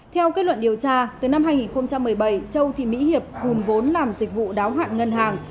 theo kết luận điều tra từ năm hai nghìn một mươi bảy châu thị mỹ hiệp hùn vốn làm dịch vụ đáo hạn ngân hàng